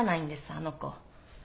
あの子。